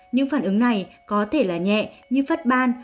những phản ứng này có thể là nhẹ như phát ban